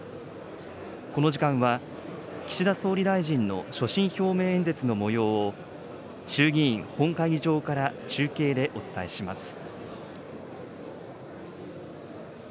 この時間は岸田総理大臣の所信表明演説のもようを、衆議院本会議場から中継でお伝えします。